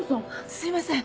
すいません。